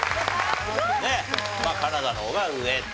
まあカナダの方が上と。